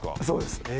そうです。